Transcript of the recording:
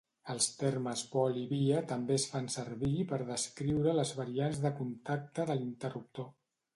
Els termes pol i via també es fan servir per descriure les variants de contacte de l'interruptor.